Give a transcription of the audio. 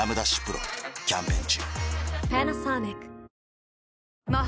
丕劭蓮キャンペーン中